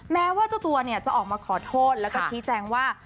แม้ว่าเจ้าตัวเนี่ยจะออกมาขอโทษแล้วก็ชี้แจงว่า